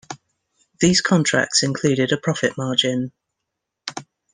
These contracts included a profit margin.